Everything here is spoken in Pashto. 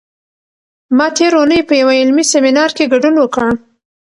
ما تېره اونۍ په یوه علمي سیمینار کې ګډون وکړ.